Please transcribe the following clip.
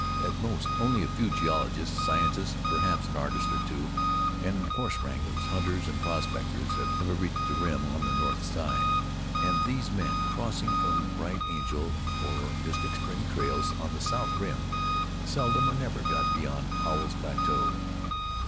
At most, only a few geologists, scientists, perhaps an artist or two, and horse wranglers, hunters and prospectors have ever reached the rim on the north side; and these men, crossing from Bright Angel or Mystic Spring trails on the south rim, seldom or never get beyond Powell's Plateau.